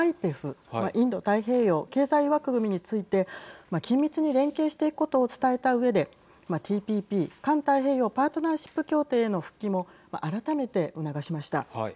ＩＰＥＦ＝インド太平洋経済枠組みについて緊密に連携していくことを伝えたうえでＴＰＰ＝環太平洋パートナーシップ協定への復帰も改めて促しました。